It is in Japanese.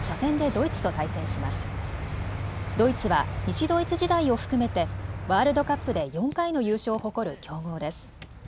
ドイツは西ドイツ時代を含めてワールドカップで４回の優勝を誇る強豪です。